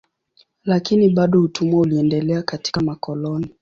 Lakini bado utumwa uliendelea katika makoloni.